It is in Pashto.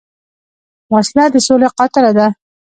وسله د سولې قاتله ده